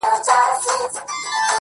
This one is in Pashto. • څه مسافره یمه خير دی ته مي ياد يې خو.